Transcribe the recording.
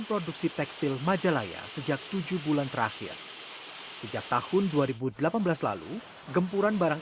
produksi tekstil majalaya sejak tujuh bulan terakhir sejak tahun dua ribu delapan belas lalu gempuran barang